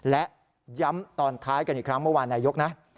และย้ำตอนท้ายกันอีกครั้งเมื่อวานนายกนะ